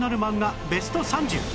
ベスト３０